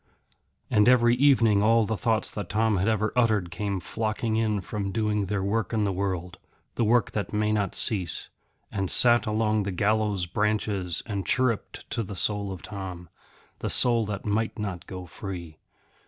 And every evening all the thoughts that Tom had ever uttered came flocking in from doing their work in the world, the work that may not cease, and sat along the gallows branches and chirrupped to the soul of Tom, the soul that might not go free.